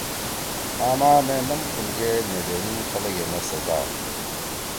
آما مے نم کُل گے نے دینیِن خلگے مے سزاأ